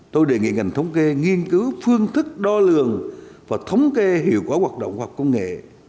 tôi đề nghị ngành thống kê nghiên cứu phương thức đo lường và thống kê hiệu quả hoạt động khoa học công nghệ